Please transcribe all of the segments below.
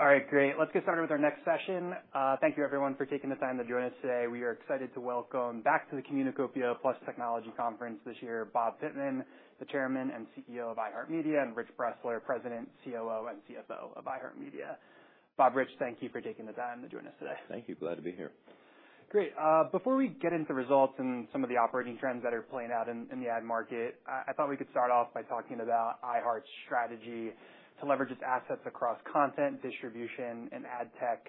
All right, great. Let's get started with our next session. Thank you everyone for taking the time to join us today. We are excited to welcome back to the Communacopia Plus Technology Conference this year, Bob Pittman, the Chairman and CEO of iHeartMedia, and Rich Bressler, President, COO, and CFO of iHeartMedia. Bob, Rich, thank you for taking the time to join us today. Thank you. Glad to be here. Great. Before we get into the results and some of the operating trends that are playing out in the ad market, I thought we could start off by talking about iHeart's strategy to leverage its assets across content, distribution, and ad tech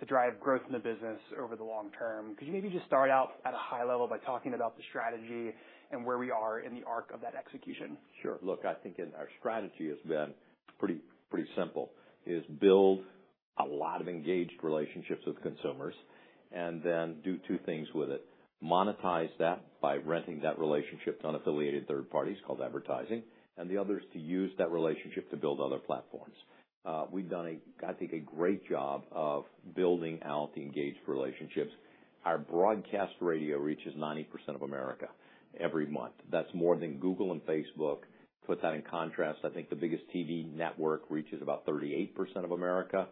to drive growth in the business over the long term. Could you maybe just start out at a high level by talking about the strategy and where we are in the arc of that execution? Sure. Look, I think our strategy has been pretty, pretty simple: build a lot of engaged relationships with consumers, and then do two things with it: Monetize that by renting that relationship to unaffiliated third parties, called advertising, and the other is to use that relationship to build other platforms. We've done, I think, a great job of building out the engaged relationships. Our broadcast radio reaches 90% of America every month. That's more than Google and Facebook. To put that in contrast, I think the biggest TV network reaches about 38% of America.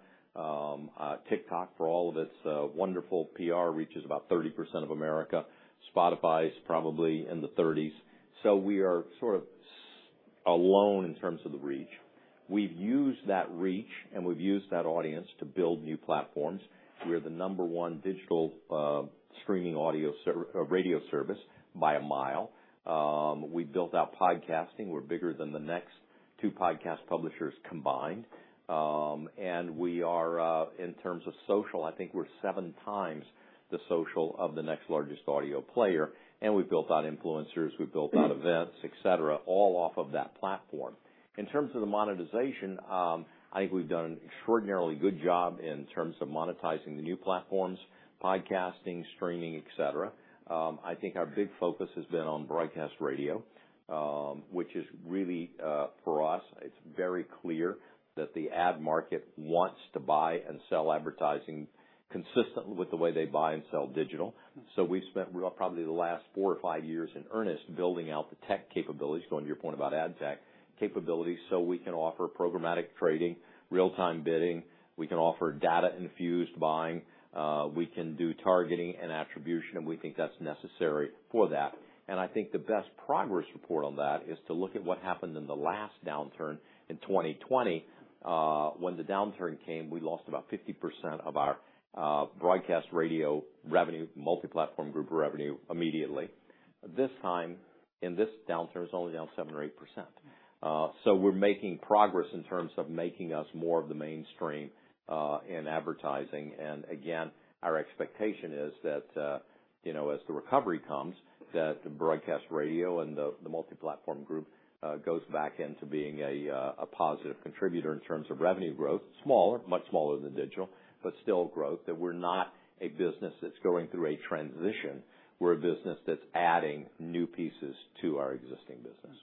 TikTok, for all of its wonderful PR, reaches about 30% of America. Spotify is probably in the 30s. So we are sort of stand alone in terms of the reach. We've used that reach, and we've used that audience to build new platforms. We are the number one digital, streaming audio service or radio service by a mile. We've built out podcasting. We're bigger than the next two podcast publishers combined. And we are, in terms of social, I think we're seven times the social of the next largest audio player, and we've built out influencers, we've built out events, et cetera, all off of that platform. In terms of the monetization, I think we've done an extraordinarily good job in terms of monetizing the new platforms, podcasting, streaming, et cetera. I think our big focus has been on broadcast radio, which is really, for us, it's very clear that the ad market wants to buy and sell advertising consistently with the way they buy and sell digital. So we've spent probably the last four or five years in earnest, building out the tech capabilities, going to your point about ad tech, capabilities, so we can offer programmatic trading, real-time bidding. We can offer data-infused buying. We can do targeting and attribution, and we think that's necessary for that. And I think the best progress report on that is to look at what happened in the last downturn in 2020. When the downturn came, we lost about 50% of our, broadcast radio revenue, Multiplatform Group revenue, immediately. This time, in this downturn, it's only down 7%-8%. So we're making progress in terms of making us more of the mainstream, in advertising. And again, our expectation is that, you know, as the recovery comes, that the broadcast radio and the, the Multiplatform Group, goes back into being a, a positive contributor in terms of revenue growth. Smaller, much smaller than digital, but still growth, that we're not a business that's going through a transition. We're a business that's adding new pieces to our existing business.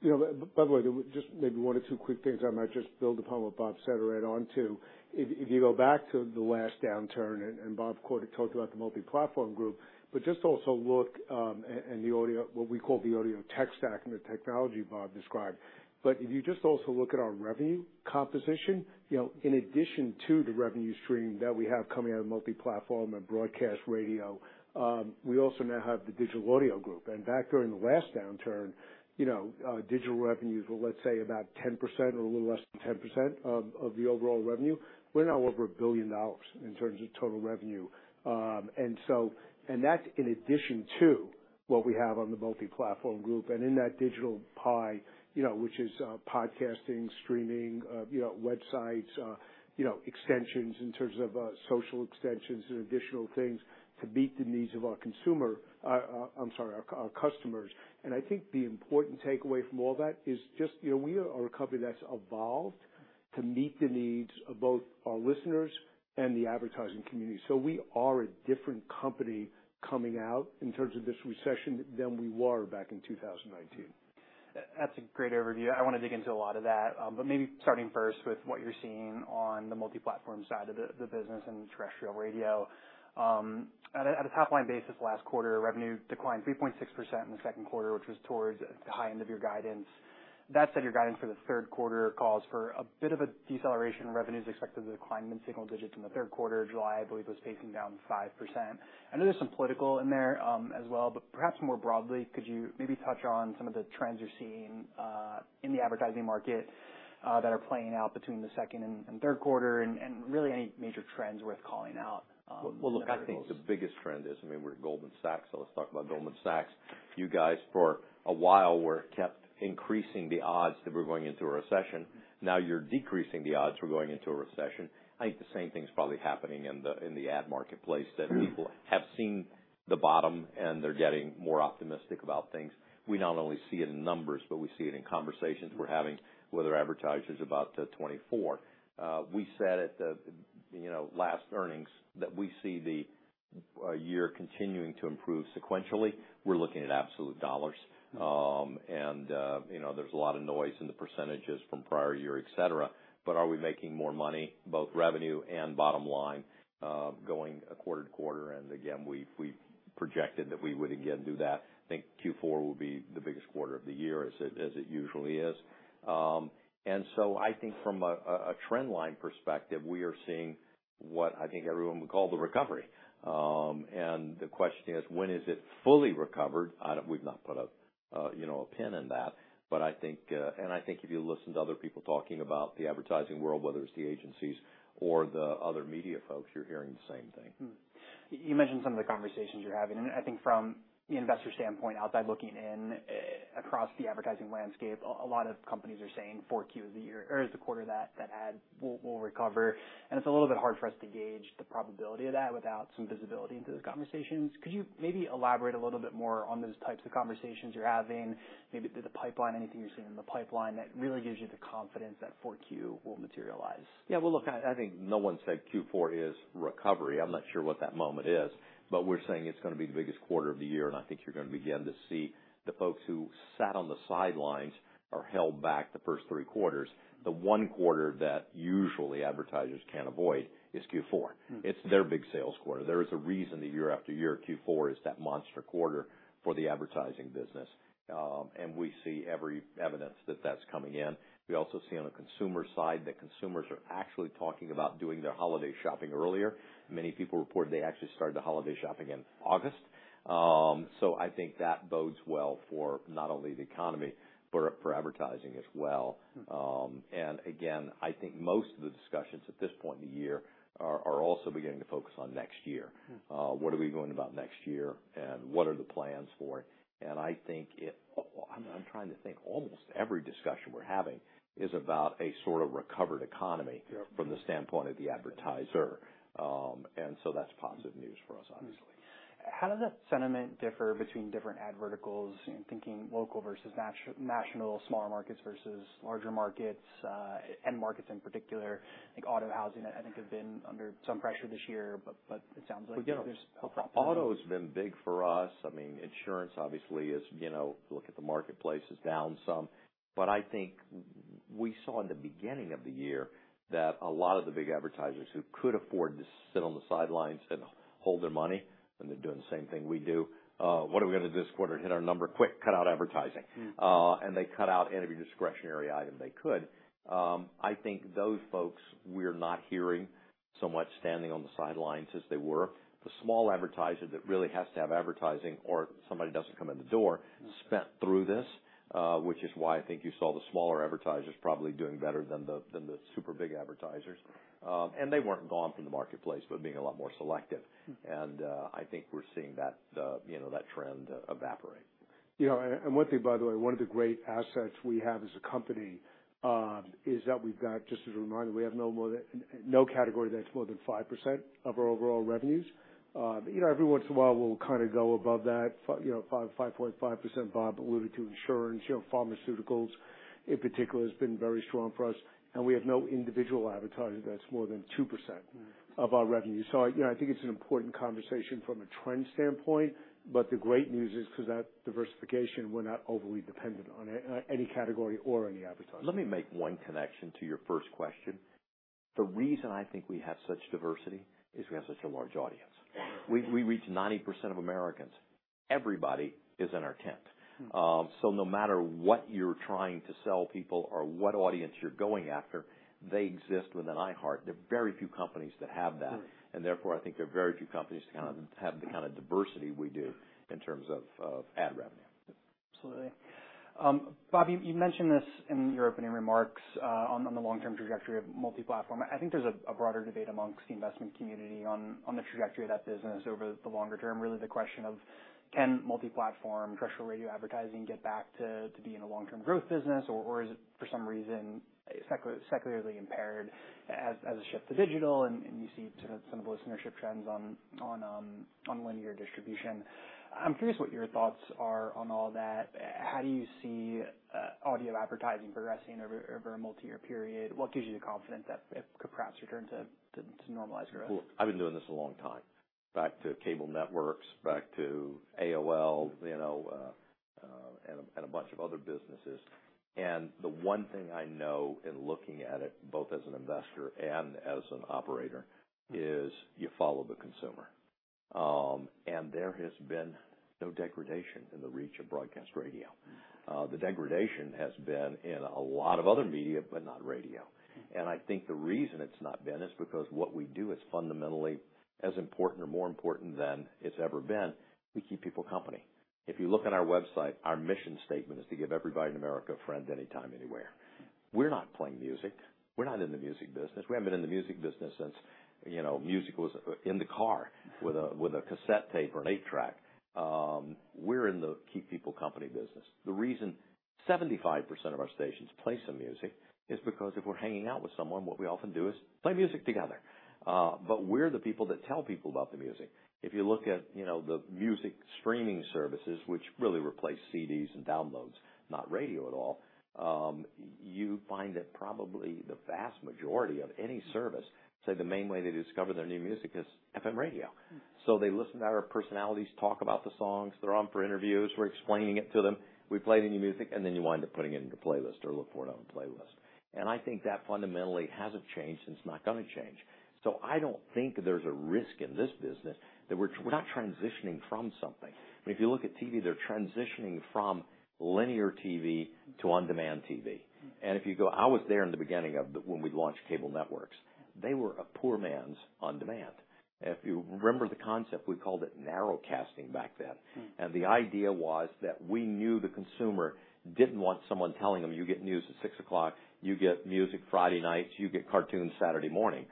You know, by the way, just maybe one or two quick things I might just build upon what Bob said right onto. If you go back to the last downturn, and Bob talked about the Multiplatform Group, but just also look at and the audio, what we call the audio tech stack and the technology Bob described. But if you just also look at our revenue composition, you know, in addition to the revenue stream that we have coming out of Multiplatform and broadcast radio, we also now have the Digital Audio Group. And back during the last downturn, you know, digital revenues were, let's say, about 10% or a little less than 10% of the overall revenue. We're now over a billion in terms of total revenue. That's in addition to what we have on the Multiplatform Group. In that digital pie, you know, which is podcasting, streaming, you know, websites, you know, extensions in terms of, social extensions and additional things to meet the needs of our consumer, I'm sorry, our customers. I think the important takeaway from all that is just, you know, we are a company that's evolved to meet the needs of both our listeners and the advertising community. So we are a different company coming out in terms of this recession than we were back in 2019. That's a great overview. I want to dig into a lot of that, but maybe starting first with what you're seeing on the Multiplatform side of the business and terrestrial radio. At a top-line basis, last quarter, revenue declined 3.6% in the second quarter, which was towards the high end of your guidance. That said, your guidance for the third quarter calls for a bit of a deceleration in revenues, expected to decline in single digits in the third quarter. July, I believe, was pacing down 5%. I know there's some political in there, as well, but perhaps more broadly, could you maybe touch on some of the trends you're seeing in the advertising market that are playing out between the second and third quarter and really any major trends worth calling out? Well, look, I think the biggest trend is, I mean, we're at Goldman Sachs, so let's talk about Goldman Sachs. You guys, for a while, were kept increasing the odds that we're going into a recession. Now you're decreasing the odds we're going into a recession. I think the same thing's probably happening in the ad marketplace, that people have seen the bottom, and they're getting more optimistic about things. We not only see it in numbers, but we see it in conversations we're having with our advertisers about 2024. We said at the last earnings, you know, that we see the year continuing to improve sequentially. We're looking at absolute dollars. And, you know, there's a lot of noise in the percentages from prior year, et cetera. But are we making more money, both revenue and bottom line, going quarter to quarter? And again, we've projected that we would again do that. I think Q4 will be the biggest quarter of the year, as it usually is. And so I think from a trend line perspective, we are seeing what I think everyone would call the recovery. And the question is, when is it fully recovered? We've not put a, you know, a pin in that. But I think, and I think if you listen to other people talking about the advertising world, whether it's the agencies or the other media folks, you're hearing the same thing. Mm-hmm. You mentioned some of the conversations you're having, and I think from the investor standpoint, outside looking in, across the advertising landscape, a lot of companies are saying 4Q is the quarter that ad will recover. It's a little bit hard for us to gauge the probability of that without some visibility into those conversations. Could you maybe elaborate a little bit more on those types of conversations you're having? Maybe through the pipeline, anything you're seeing in the pipeline that really gives you the confidence that 4Q will materialize? Yeah. Well, look, I, I think no one said Q4 is recovery. I'm not sure what that moment is, but we're saying it's gonna be the biggest quarter of the year, and I think you're gonna begin to see the folks who sat on the sidelines or held back the first three quarters, the one quarter that usually advertisers can't avoid is Q4. Mm-hmm. It's their big sales quarter. There is a reason that year after year, Q4 is that monster quarter for the advertising business. And we see every evidence that that's coming in. We also see on the consumer side, that consumers are actually talking about doing their holiday shopping earlier. Many people reported they actually started the holiday shopping in August. So I think that bodes well for not only the economy, but for advertising as well. Mm-hmm. And again, I think most of the discussions at this point in the year are also beginning to focus on next year. Mm-hmm. What are we doing about next year, and what are the plans for it? And I think it, I'm trying to think, almost every discussion we're having is about a sort of recovered economy. Yeah From the standpoint of the advertiser. And so that's positive news for us, obviously. How does that sentiment differ between different ad verticals? I'm thinking local versus national, smaller markets versus larger markets, end markets in particular. I think auto housing, I think, have been under some pressure this year, but, but it sounds like there's a possibility. Auto has been big for us. I mean, insurance obviously is, you know, look at the marketplace, is down some. But I think we saw in the beginning of the year that a lot of the big advertisers who could afford to sit on the sidelines and hold their money, and they're doing the same thing we do. What are we gonna do this quarter to hit our number? Quick, cut out advertising. Mm. And they cut out any discretionary item they could. I think those folks, we're not hearing so much standing on the sidelines as they were. The small advertiser that really has to have advertising or somebody doesn't come in the door, spent through this, which is why I think you saw the smaller advertisers probably doing better than the, than the super big advertisers. And they weren't gone from the marketplace, but being a lot more selective. Mm-hmm. I think we're seeing that, you know, that trend evaporate. You know, and one thing, by the way, one of the great assets we have as a company, is that we've got, just as a reminder, we have no more than-- no category that's more than 5% of our overall revenues. You know, every once in a while, we'll kind of go above that, you know, 5%, 5.5%. Bob alluded to insurance. You know, pharmaceuticals, in particular, has been very strong for us, and we have no individual advertiser that's more than 2%- Mm. of our revenue. So, you know, I think it's an important conversation from a trend standpoint, but the great news is because that diversification, we're not overly dependent on any category or any advertiser. Let me make one connection to your first question. The reason I think we have such diversity is we have such a large audience. We reach 90% of Americans. Everybody is in our tent. Mm. No matter what you're trying to sell people or what audience you're going after, they exist within iHeart. There are very few companies that have that. Mm. And therefore, I think there are very few companies to kind of have the kind of diversity we do in terms of ad revenue. Absolutely. Bob, you mentioned this in your opening remarks on the long-term trajectory of Multiplatform. I think there's a broader debate amongst the investment community on the trajectory of that business over the longer term, really the question of: Can multi-platform, traditional radio advertising get back to being a long-term growth business? Or is it for some reason, secularly impaired as a shift to digital, and you see to some of those ownership trends on linear distribution? I'm curious what your thoughts are on all that. How do you see audio advertising progressing over a multi-year period? What gives you the confidence that it could perhaps return to normalize growth? Look, I've been doing this a long time, back to cable networks, back to AOL, you know, and a bunch of other businesses. And the one thing I know in looking at it, both as an investor and as an operator, is you follow the consumer. And there has been no degradation in the reach of broadcast radio. The degradation has been in a lot of other media, but not radio. Mm-hmm. I think the reason it's not been is because what we do is fundamentally as important or more important than it's ever been. We keep people company. If you look on our website, our mission statement is: To give everybody in America a friend, anytime, anywhere. We're not playing music. We're not in the music business. We haven't been in the music business since, you know, music was in the car with a, with a cassette tape or an 8-track. We're in the keep people company business. The reason 75% of our stations play some music is because if we're hanging out with someone, what we often do is play music together. But we're the people that tell people about the music. If you look at, you know, the music streaming services, which really replace CDs and downloads, not radio at all, you find that probably the vast majority of any service, say the main way they discover their new music is FM radio. Mm. So they listen to our personalities, talk about the songs. They're on for interviews. We're explaining it to them. We play the new music, and then you wind up putting it into playlist or look for it on playlist. And I think that fundamentally hasn't changed, and it's not gonna change. So I don't think there's a risk in this business, that we're not transitioning from something. If you look at TV, they're transitioning from linear TV to on-demand TV. Mm. If you go... I was there in the beginning, when we launched cable networks. They were a poor man's on-demand. If you remember the concept, we called it narrowcasting back then. Mm. The idea was that we knew the consumer didn't want someone telling them: You get news at 6:00, you get music Friday nights, you get cartoons Saturday morning.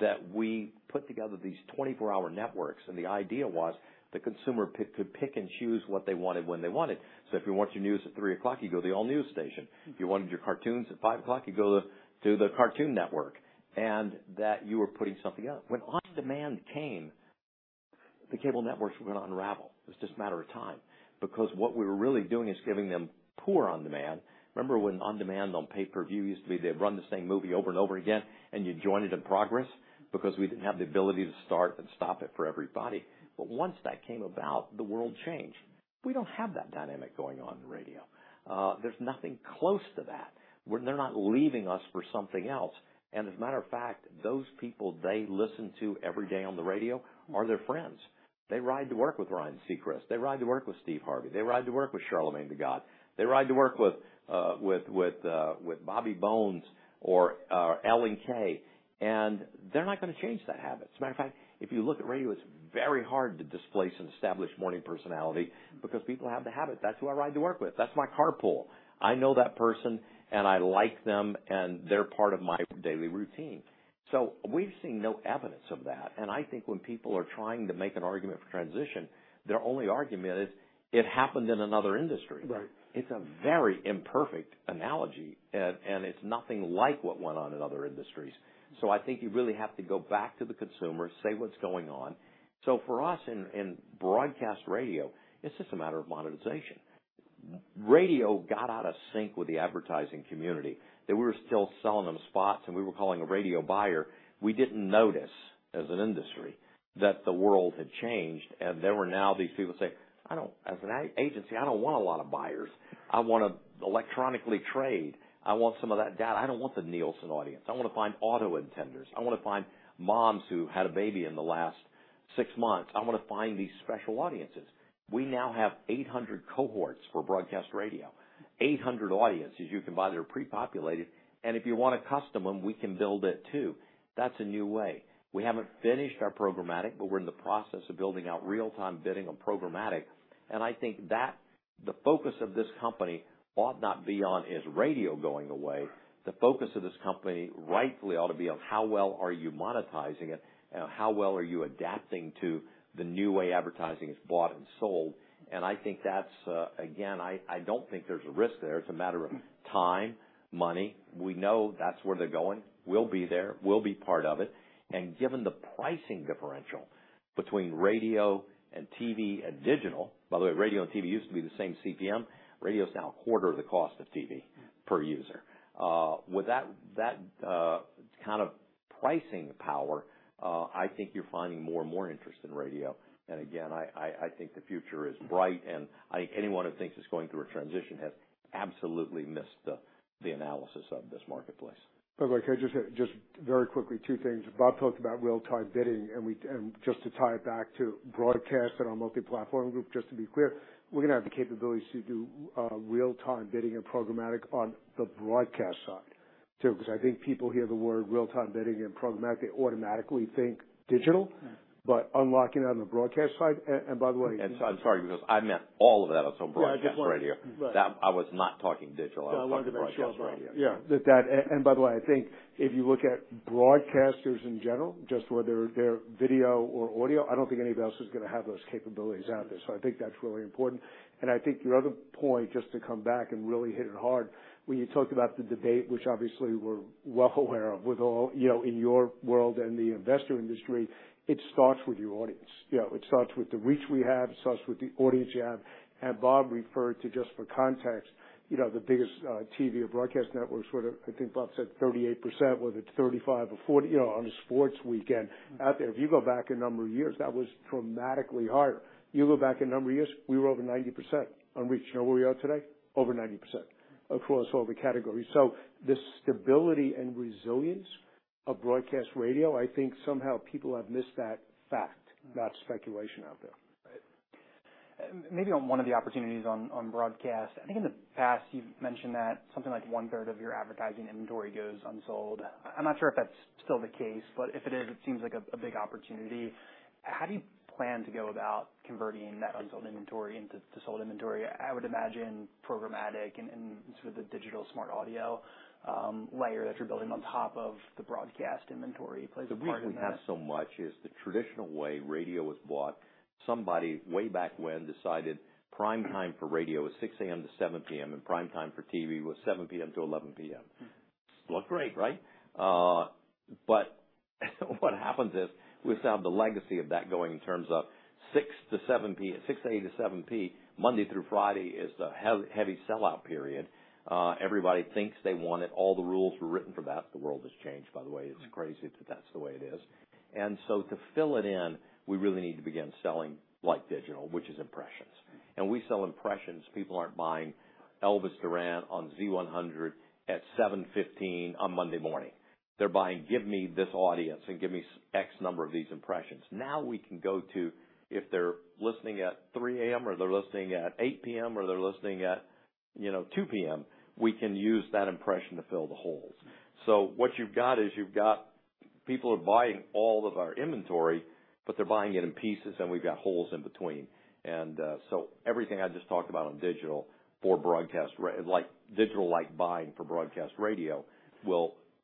That we put together these 24-hour networks, and the idea was the consumer could pick and choose what they wanted, when they wanted. So if you want your news at 3:00, you go to the all-news station. Mm. If you wanted your cartoons at 5:00, you go to the Cartoon Network, and that you were putting something up. When on-demand came, the cable networks were going to unravel. It's just a matter of time, because what we were really doing is giving them poor on-demand. Remember when on-demand on pay-per-view used to be, they'd run the same movie over and over again, and you'd join it in progress because we didn't have the ability to start and stop it for everybody? But once that came about, the world changed. We don't have that dynamic going on in radio. There's nothing close to that, where they're not leaving us for something else. And as a matter of fact, those people they listen to every day on the radio are their friends. They ride to work with Ryan Seacrest. They ride to work with Steve Harvey. They ride to work with Charlamagne Tha God. They ride to work with Bobby Bones or Ellen K. They're not going to change that habit. As a matter of fact, if you look at radio, it's very hard to displace an established morning personality because people have the habit. "That's who I ride to work with. That's my carpool. I know that person, and I like them, and they're part of my daily routine." We've seen no evidence of that. I think when people are trying to make an argument for transition, their only argument is, it happened in another industry. Right. It's a very imperfect analogy, and it's nothing like what went on in other industries. So I think you really have to go back to the consumer, say what's going on. So for us, in broadcast radio, it's just a matter of monetization. Radio got out of sync with the advertising community, that we were still selling them spots, and we were calling a radio buyer. We didn't notice, as an industry, that the world had changed, and there were now these people saying, "I don't—as an ad agency, I don't want a lot of buyers. I want to electronically trade. I want some of that data. I don't want the Nielsen audience. I want to find auto intenders. I want to find moms who had a baby in the last six months. I want to find these special audiences." We now have 800 cohorts for broadcast radio, 800 audiences you can buy that are pre-populated, and if you want to custom them, we can build it, too. That's a new way. We haven't finished our programmatic, but we're in the process of building out real-time bidding on programmatic, and I think that the focus of this company ought not be on, is radio going away? The focus of this company, rightfully, ought to be on how well are you monetizing it, and how well are you adapting to the new way advertising is bought and sold. And I think that's... Again, I don't think there's a risk there. It's a matter of time, money. We know that's where they're going. We'll be there. We'll be part of it. Given the pricing differential between radio and TV and digital, by the way, radio and TV used to be the same CPM. Radio is now a quarter of the cost of TV per user. With that kind of pricing power, I think you're finding more and more interest in radio. Again, I think the future is bright, and I think anyone who thinks it's going through a transition has absolutely missed the analysis of this marketplace. By the way, can I just add, just very quickly, two things. Bob talked about real-time bidding, and we—and just to tie it back to broadcast and our Multiplatform Group, just to be clear, we're going to have the capabilities to do real-time bidding and programmatic on the broadcast side, too. Because I think people hear the word real-time bidding and programmatic, they automatically think digital, but unlocking it on the broadcast side. And, and by the way- I'm sorry, because I meant all of that on broadcast radio. Right. That, I was not talking digital. I wondered about that. I was talking broadcast radio. Yeah. That—and by the way, I think if you look at broadcasters in general, just whether they're video or audio, I don't think anybody else is going to have those capabilities out there. So I think that's really important. And I think your other point, just to come back and really hit it hard, when you talked about the debate, which obviously we're well aware of with all, you know, in your world and the investor industry, it starts with your audience. You know, it starts with the reach we have, it starts with the audience you have. And Bob referred to, just for context, you know, the biggest TV or broadcast networks, sort of. I think Bob said 38%, whether it's 35 or 40, you know, on a sports weekend out there. If you go back a number of years, that was dramatically higher. You go back a number of years, we were over 90% on reach. You know where we are today? Over 90% across all the categories. So the stability and resilience of broadcast radio, I think somehow people have missed that fact, not speculation out there. Right. Maybe on one of the opportunities on broadcast. I think in the past, you've mentioned that something like one-third of your advertising inventory goes unsold. I'm not sure if that's still the case, but if it is, it seems like a big opportunity. How do you plan to go about converting that unsold inventory into sold inventory? I would imagine programmatic and sort of the digital smart audio layer that you're building on top of the broadcast inventory plays a part in that. The reason we have so much is the traditional way radio was bought, somebody way back when decided prime time for radio was 6:00 A.M. to 7:00 P.M., and prime time for TV was 7:00 P.M. to 11:00 P.M. Looked great, right? But what happens is, we still have the legacy of that going in terms of 6:00 A.M. to 7:00 P.M., Monday through Friday, is the heavy sell-out period. Everybody thinks they want it. All the rules were written for that. The world has changed, by the way. It's crazy, but that's the way it is. And so to fill it in, we really need to begin selling like digital, which is impressions. And we sell impressions. People aren't buying Elvis Duran on Z100 at 7:15 A.M. on Monday morning. They're buying, "Give me this audience, and give me x number of these impressions." Now, we can go to, if they're listening at 3 A.M. or they're listening at 8 P.M. or they're listening at, you know, 2 P.M., we can use that impression to fill the holes. So what you've got is, you've got people are buying all of our inventory, but they're buying it in pieces, and we've got holes in between. And so everything I just talked about on digital for broadcast radio, like, digital-like buying for broadcast radio,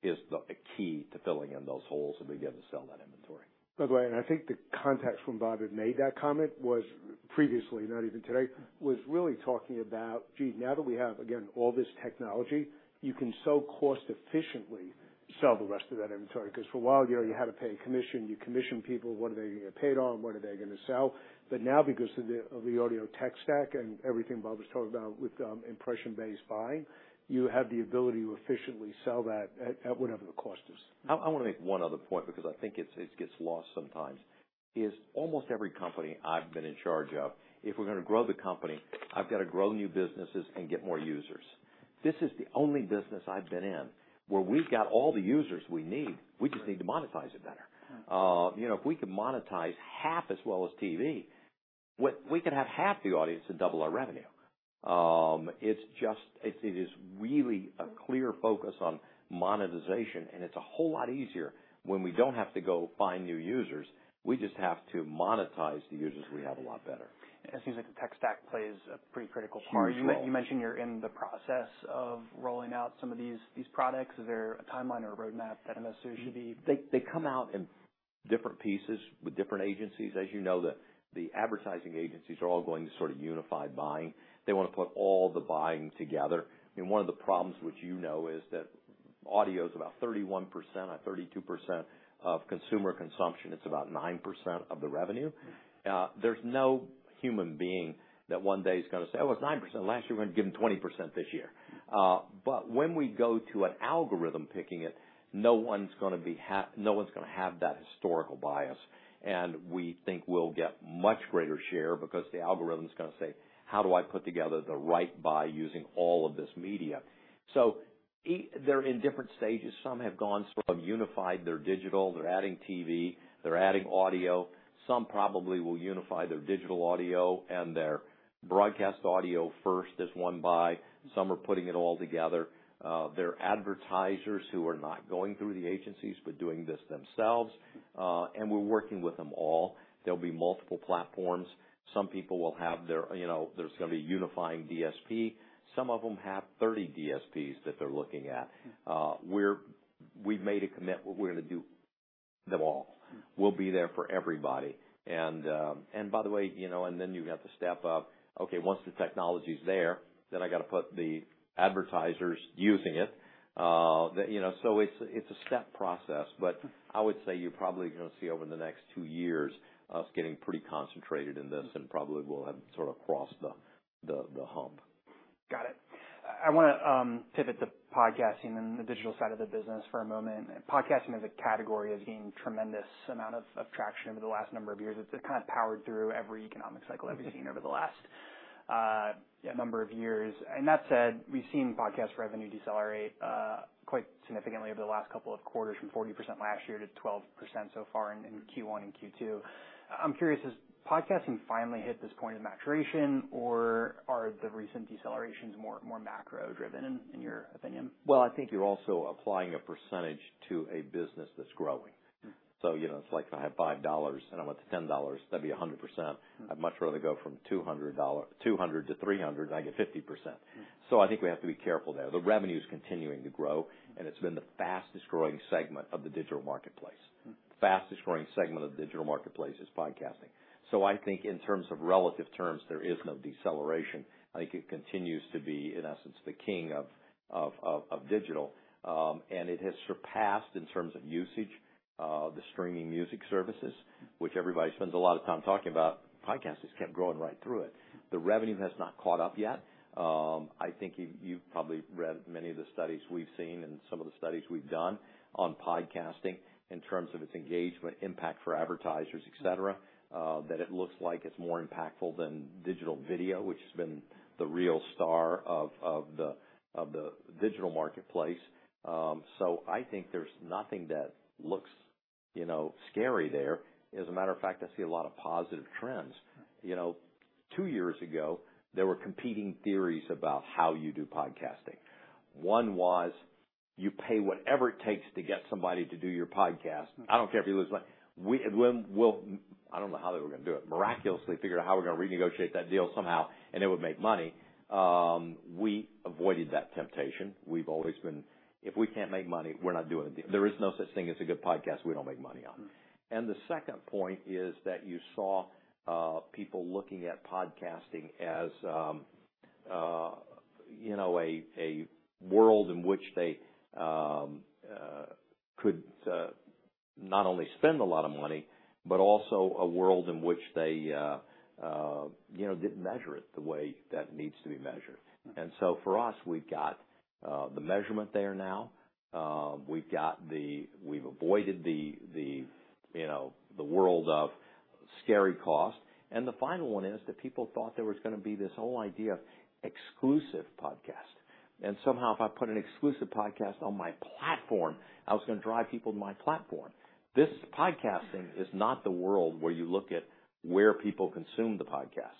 is the, the key to filling in those holes and begin to sell that inventory. By the way, and I think the context when Bob had made that comment was previously, not even today, was really talking about, Gee, now that we have, again, all this technology, you can sell cost efficiently... sell the rest of that inventory, 'cause for a while there, you had to pay a commission. You commission people, what are they gonna get paid on? What are they gonna sell? But now, because of the, of the audio tech stack and everything Bob was talking about with, impression-based buying, you have the ability to efficiently sell that at, at whatever the cost is. I wanna make one other point because I think it gets lost sometimes, is almost every company I've been in charge of, if we're gonna grow the company, I've got to grow new businesses and get more users. This is the only business I've been in where we've got all the users we need, we just need to monetize it better. You know, if we can monetize half as well as TV, we can have half the audience and double our revenue. It's just. It is really a clear focus on monetization, and it's a whole lot easier when we don't have to go find new users. We just have to monetize the users we have a lot better. It seems like the tech stack plays a pretty critical part. Huge role. You mentioned you're in the process of rolling out some of these products. Is there a timeline or a roadmap that investors should be? They, they come out in different pieces with different agencies. As you know, the advertising agencies are all going to sort of unified buying. They wanna put all the buying together. And one of the problems, which you know, is that audio is about 31% or 32% of consumer consumption. It's about 9% of the revenue. But when we go to an algorithm picking it, no one's gonna be—no one's gonna have that historical bias. And we think we'll get much greater share because the algorithm's gonna say, how do I put together the right buy using all of this media? So they're in different stages. Some have gone from unified, they're digital, they're adding TV, they're adding audio. Some probably will unify their digital audio and their broadcast audio first as one buy. Some are putting it all together. There are advertisers who are not going through the agencies, but doing this themselves, and we're working with them all. There'll be multiple platforms. Some people will have their... You know, there's gonna be unifying DSP. Some of them have 30 DSPs that they're looking at. We've made a commit we're gonna do them all. We'll be there for everybody. And by the way, you know, and then you have to step up. Okay, once the technology's there, then I got to put the advertisers using it. You know, so it's a step process, but I would say you're probably gonna see over the next 2 years, us getting pretty concentrated in this and probably will have sort of crossed the hump. Got it. I wanna pivot to podcasting and the digital side of the business for a moment. Podcasting as a category has gained tremendous amount of traction over the last number of years. It kind of powered through every economic cycle I've seen over the last number of years. That said, we've seen podcast revenue decelerate quite significantly over the last couple of quarters, from 40% last year to 12% so far in Q1 and Q2. I'm curious, has podcasting finally hit this point of maturation, or are the recent decelerations more macro-driven, in your opinion? Well, I think you're also applying a percentage to a business that's growing. So, you know, it's like if I have $5 and I went to $10, that'd be 100%. I'd much rather go from $200 to $300, I get 50%. So I think we have to be careful there. The revenue is continuing to grow, and it's been the fastest growing segment of the digital marketplace. Fastest growing segment of the digital marketplace is podcasting. So I think in terms of relative terms, there is no deceleration. I think it continues to be, in essence, the king of digital. And it has surpassed, in terms of usage, the streaming music services, which everybody spends a lot of time talking about. Podcasting's kept growing right through it. The revenue has not caught up yet. I think you've probably read many of the studies we've seen and some of the studies we've done on podcasting in terms of its engagement, impact for advertisers, et cetera, that it looks like it's more impactful than digital video, which has been the real star of the digital marketplace. So I think there's nothing that looks, you know, scary there. As a matter of fact, I see a lot of positive trends. You know, two years ago, there were competing theories about how you do podcasting. One was, you pay whatever it takes to get somebody to do your podcast. I don't care if he was like, we'll... I don't know how they were gonna do it. Miraculously, figure out how we're gonna renegotiate that deal somehow, and it would make money. We avoided that temptation. We've always been, if we can't make money, we're not doing a deal. There is no such thing as a good podcast we don't make money on. Mm. And the second point is that you saw people looking at podcasting as, you know, a world in which they could not only spend a lot of money, but also a world in which they, you know, didn't measure it the way that needs to be measured. Mm. And so for us, we've got the measurement there now. We've avoided the, you know, the world of scary cost. And the final one is that people thought there was gonna be this whole idea of exclusive podcast. And somehow, if I put an exclusive podcast on my platform, I was gonna drive people to my platform. This podcasting is not the world where you look at where people consume the podcast.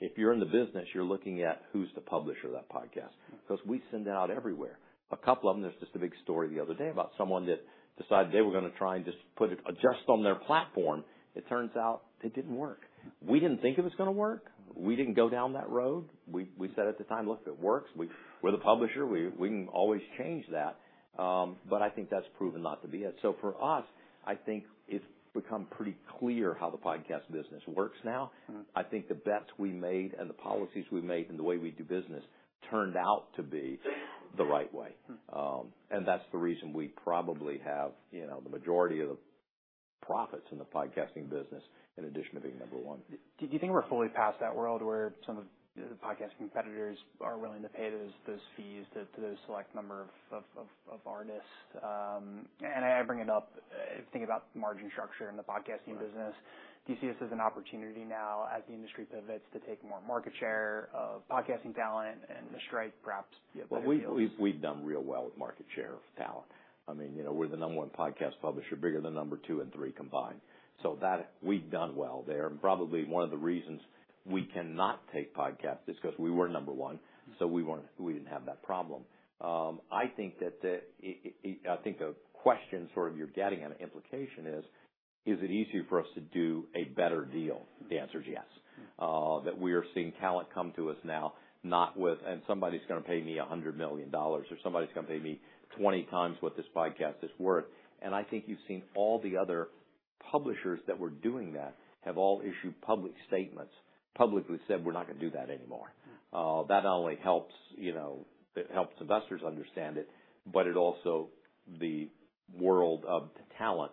If you're in the business, you're looking at who's the publisher of that podcast, because we send out everywhere. A couple of them, there's just a big story the other day about someone that decided they were gonna try and just put it on their platform. It turns out it didn't work. We didn't think it was gonna work. We didn't go down that road. We said at the time, look, if it works, we're the publisher, we can always change that. But I think that's proven not to be it. So for us, I think it's become pretty clear how the podcast business works now. Mm. I think the bets we made and the policies we made and the way we do business turned out to be the right way. Mm. That's the reason we probably have, you know, the majority of the profits in the podcasting business in addition to being number one. Do you think we're fully past that world where some of the podcasting competitors are willing to pay those fees to those select number of artists? And I bring it up thinking about margin structure in the podcasting business. Do you see this as an opportunity now, as the industry pivots, to take more market share of podcasting talent and the strike, perhaps get better deals? Well, we've done real well with market share of talent. I mean, you know, we're the number one podcast publisher, bigger than number two and three combined. So that, we've done well there, and probably one of the reasons we cannot take podcasts is because we were number one, so we weren't we didn't have that problem. I think the question you're getting at, an implication is, is it easier for us to do a better deal? The answer is yes. That we are seeing talent come to us now, not with, "And somebody's gonna pay me $100 million," or, "Somebody's gonna pay me 20 times what this podcast is worth." And I think you've seen all the other publishers that were doing that have all issued public statements, publicly said, "We're not gonna do that anymore." That not only helps, you know, it helps investors understand it, but it also the world of talent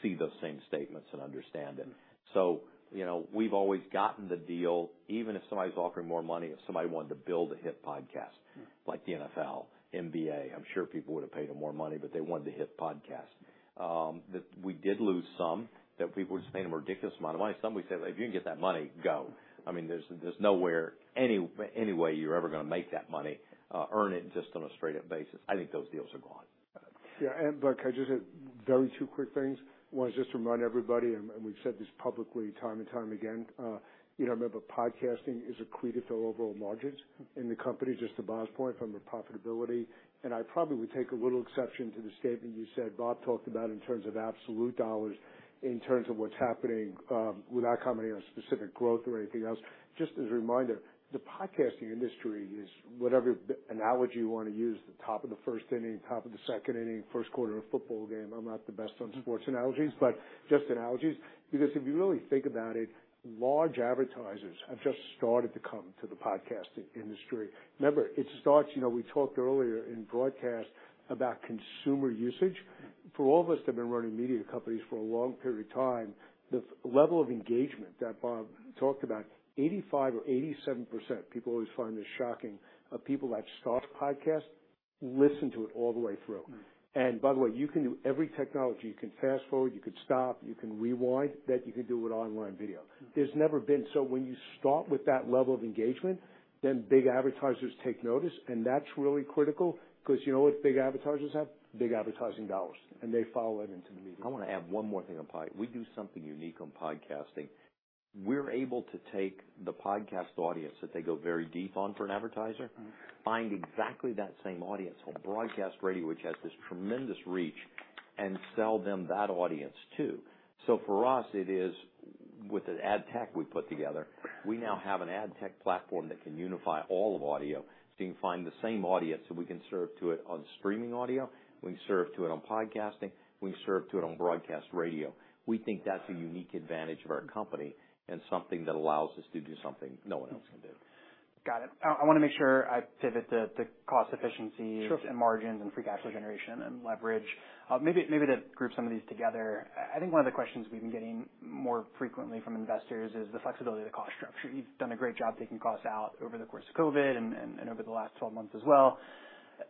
see those same statements and understand them. So, you know, we've always gotten the deal, even if somebody's offering more money, if somebody wanted to build a hit podcast, like the NFL, NBA, I'm sure people would have paid them more money, but they wanted a hit podcast. That we did lose some, that people were just paying a ridiculous amount of money. Some we said, "If you can get that money, go." I mean, there's nowhere, any way you're ever gonna make that money, earn it just on a straight-up basis. I think those deals are gone. Yeah, but could I just add very two quick things? One, just to remind everybody, and we've said this publicly time and time again, you know, remember, podcasting is accretive to our overall margins in the company, just to Bob's point, from a profitability. And I probably would take a little exception to the statement you said Bob talked about in terms of absolute dollars, in terms of what's happening, without commenting on specific growth or anything else. Just as a reminder, the podcasting industry is, whatever analogy you want to use, the top of the first inning, top of the second inning, first quarter of a football game. I'm not the best on sports analogies, but just analogies. Because if you really think about it, large advertisers have just started to come to the podcasting industry. Remember, it starts, you know, we talked earlier in broadcast about consumer usage. For all of us that have been running media companies for a long period of time, the level of engagement that Bob talked about, 85% or 87%, people always find this shocking, of people that start podcasts, listen to it all the way through. Mm-hmm. By the way, you can do every technology. You can fast forward, you can stop, you can rewind. That you can do with online video. There's never been... So when you start with that level of engagement, then big advertisers take notice, and that's really critical because you know what big advertisers have? Big advertising dollars, and they follow it into the media. I want to add one more thing on podcasting. We do something unique on podcasting. We're able to take the podcast audience that they go very deep on for an advertiser- Mm-hmm. Find exactly that same audience on broadcast radio, which has this tremendous reach, and sell them that audience, too. So for us, it is, with an ad tech we put together, we now have an ad tech platform that can unify all of audio. So you can find the same audience, so we can serve to it on streaming audio, we can serve to it on podcasting, we can serve to it on broadcast radio. We think that's a unique advantage of our company and something that allows us to do something no one else can do. Got it. I want to make sure I pivot to cost efficiency- Sure. and margins and free cash flow generation and leverage. Maybe to group some of these together. I think one of the questions we've been getting more frequently from investors is the flexibility of the cost structure. You've done a great job taking costs out over the course of COVID and over the last 12 months as well.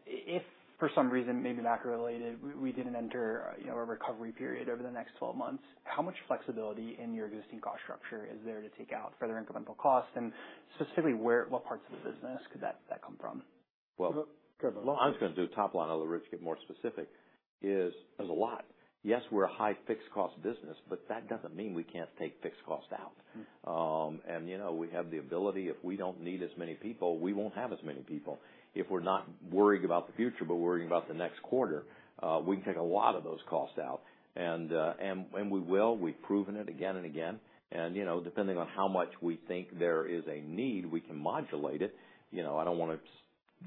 If, for some reason, maybe macro related, we didn't enter, you know, a recovery period over the next 12 months, how much flexibility in your existing cost structure is there to take out further incremental costs? And specifically, where, what parts of the business could that come from? Well- Go ahead. I'm just going to do top line, although Rich will get more specific, is there's a lot. Yes, we're a high fixed cost business, but that doesn't mean we can't take fixed costs out. And, you know, we have the ability, if we don't need as many people, we won't have as many people. If we're not worried about the future, but worrying about the next quarter, we can take a lot of those costs out. And we will. We've proven it again and again, and, you know, depending on how much we think there is a need, we can modulate it. You know, I don't want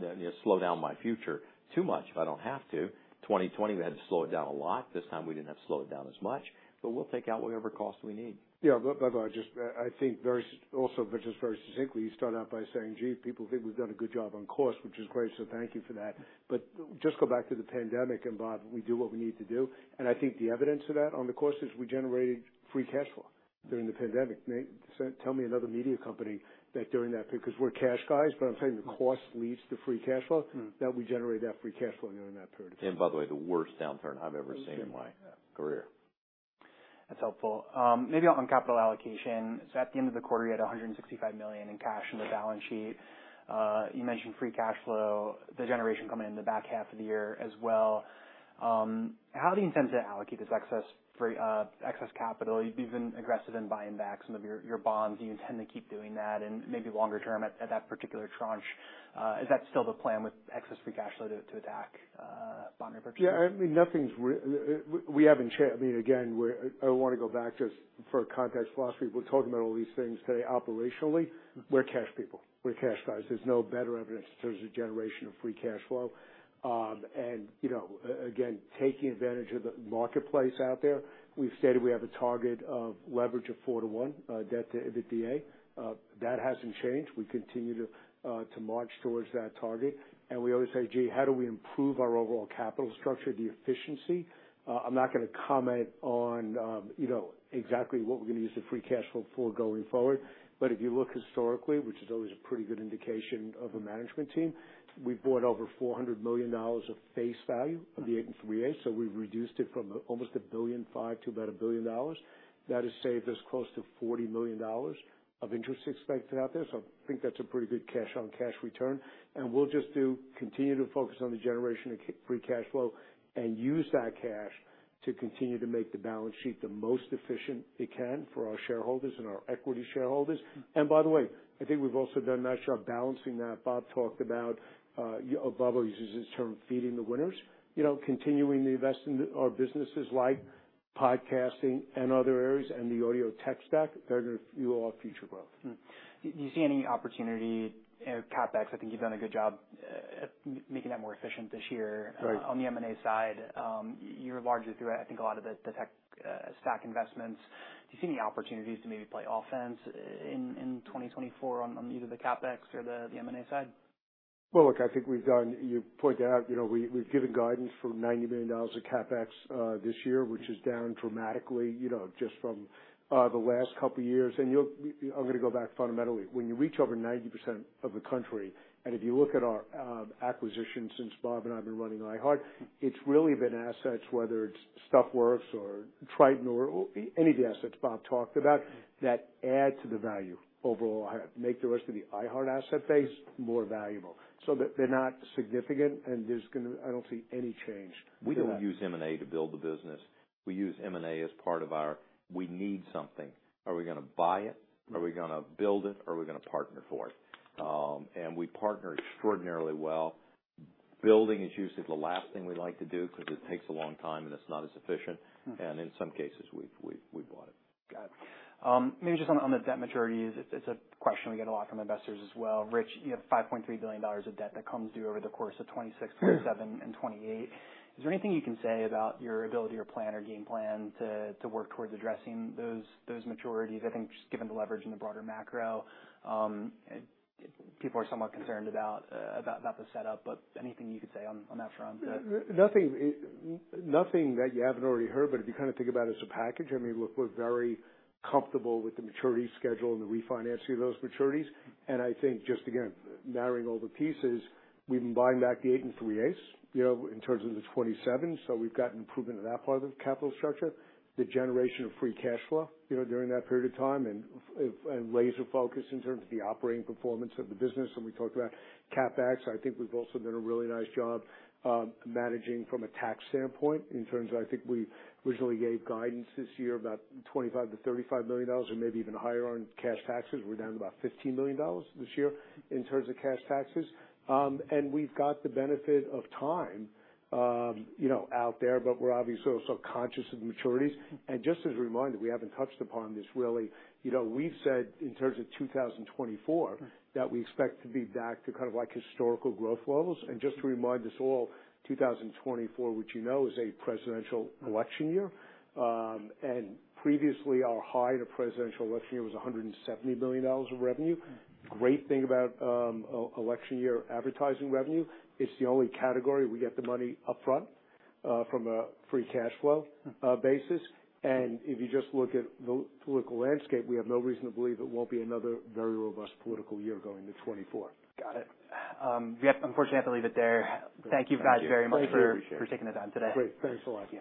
to slow down my future too much if I don't have to. 2020, we had to slow it down a lot. This time, we didn't have to slow it down as much, but we'll take out whatever costs we need. Yeah, but, but just, I think very, also just very succinctly, you start out by saying, Gee, people think we've done a good job on cost, which is great, so thank you for that. But just go back to the pandemic, and Bob, we do what we need to do. And I think the evidence of that on the cost is we generated free cash flow during the pandemic. So tell me another media company that during that period... Because we're cash guys, but I'm saying the cost leads to free cash flow. Mm-hmm. That we generated that free cash flow during that period. By the way, the worst downturn I've ever seen in my career. That's helpful. Maybe on capital allocation. So at the end of the quarter, you had $165 million in cash in the balance sheet. You mentioned free cash flow, the generation coming in the back half of the year as well. How do you intend to allocate this excess capital? You've been aggressive in buying back some of your bonds. Do you intend to keep doing that and maybe longer term at that particular tranche? Is that still the plan with excess free cash flow to attack... Yeah, I mean, nothing's. We haven't changed. I mean, again, I want to go back just for context philosophy. We're talking about all these things today operationally, we're cash people, we're cash guys. There's no better evidence in terms of generation of free cash flow. And, you know, again, taking advantage of the marketplace out there, we've stated we have a target of leverage of 4-to-1 debt to EBITDA. That hasn't changed. We continue to march towards that target, and we always say, "Gee, how do we improve our overall capital structure, the efficiency?" I'm not going to comment on, you know, exactly what we're going to use the free cash flow for going forward. If you look historically, which is always a pretty good indication of a management team, we've bought over $400 million of face value of the 8 3/8, so we've reduced it from almost $1.5 billion to about $1 billion. That has saved us close to $40 million of interest expense out there, so I think that's a pretty good cash on cash return. We'll just continue to focus on the generation of free cash flow and use that cash to continue to make the balance sheet the most efficient it can for our shareholders and our equity shareholders. By the way, I think we've also done a nice job balancing that. Bob talked about, or Bob uses this term, feeding the winners, you know, continuing to invest in our businesses, like podcasting and other areas, and the audio tech stack that are going to fuel our future growth. Hmm. Do you see any opportunity, you know, CapEx? I think you've done a good job at making that more efficient this year. Right. On the M&A side, you're largely through, I think, a lot of the tech stack investments. Do you see any opportunities to maybe play offense in 2024 on either the CapEx or the M&A side? Well, look, I think we've done—you pointed out, you know, we, we've given guidance for $90 million of CapEx this year, which is down dramatically, you know, just from the last couple of years. I'm going to go back fundamentally. When you reach over 90% of the country, and if you look at our acquisitions since Bob and I have been running iHeart, it's really been assets, whether it's Stuff Works or Triton or any of the assets Bob talked about that add to the value overall, make the rest of the iHeart asset base more valuable so that they're not significant and there's going to... I don't see any change to that. We don't use M&A to build the business. We use M&A as part of our, we need something. Are we going to buy it? Are we going to build it, or are we going to partner for it? And we partner extraordinarily well. Building is usually the last thing we like to do because it takes a long time, and it's not as efficient. Mm-hmm. In some cases, we've bought it. Got it. Maybe just on, on the debt maturities, it's, it's a question we get a lot from investors as well. Rich, you have $5.3 billion of debt that comes due over the course of 2026, 2027, and 2028. Is there anything you can say about your ability or plan or game plan to, to work towards addressing those, those maturities? I think just given the leverage in the broader macro, people are somewhat concerned about, about, about the setup, but anything you could say on, on that front? Nothing, nothing that you haven't already heard. But if you kind of think about it as a package, I mean, look, we're very comfortable with the maturity schedule and the refinancing of those maturities. And I think just again, marrying all the pieces, we've been buying back the eight and three-eighths, you know, in terms of the '27, so we've gotten improvement in that part of the capital structure, the generation of free cash flow, you know, during that period of time, and laser focus in terms of the operating performance of the business. And we talked about CapEx. I think we've also done a really nice job managing from a tax standpoint in terms of I think we originally gave guidance this year about $25 million - $35 million or maybe even higher on cash taxes. We're down to about $15 million this year in terms of cash taxes. And we've got the benefit of time, you know, out there, but we're obviously also conscious of the maturities. And just as a reminder, we haven't touched upon this really. You know, we've said in terms of 2024, that we expect to be back to kind of like historical growth levels. And just to remind us all, 2024, which you know, is a presidential election year, and previously our high in a presidential election year was $170 million of revenue. Mm-hmm. Great thing about election year advertising revenue, it's the only category we get the money upfront from a free cash flow basis. And if you just look at the political landscape, we have no reason to believe it won't be another very robust political year going to 2024. Got it. We have, unfortunately, I have to leave it there. Thank you guys very much- Thank you. For taking the time today. Great. Thanks a lot. Yeah.